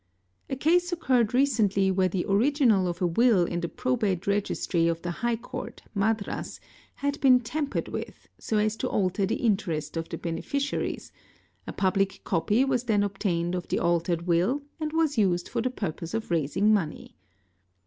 A case occurred recently where the original of a will in the | Probate Registry of the High Court, Madras, had been tampered with so — as to alter the interest of the beneficiaries, a public copy was then | obtained of the altered will, and was used for the purpose of raising © money.